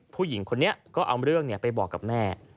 ผู้หญิงคนนี้ก็เอาเรื่องไปบอกกับแม่